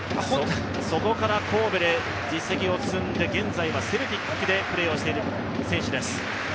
そこから神戸で実績を積んで現在はセルティックでプレーをしている選手です。